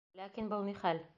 Ләкин был ни хәл?